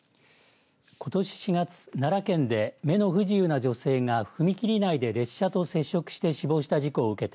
ことし４月奈良県で目の不自由な女性が踏切内で列車と接触して死亡した事故を受け